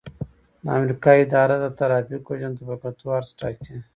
د امریکا اداره د ترافیک حجم ته په کتو عرض ټاکي